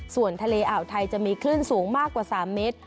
ส่วนทะเลอ่าวไทยจะมีคลื่นสูงมากกว่า๓เมตร